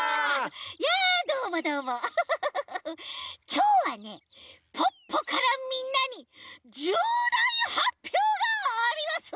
きょうはねポッポからみんなにじゅうだいはっぴょうがあります！